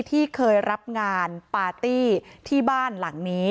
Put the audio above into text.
ที่เคยรับงานปาร์ตี้ที่บ้านหลังนี้